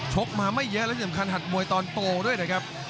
กมาไม่เยอะและสำคัญหัดมวยตอนโตด้วยนะครับ